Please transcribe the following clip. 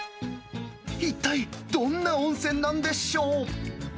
一体どんな温泉なんでしょう。